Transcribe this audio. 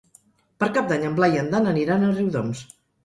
Per Cap d'Any en Blai i en Dan aniran a Riudoms.